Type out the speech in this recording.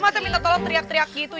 mata minta tolong teriak teriak gitu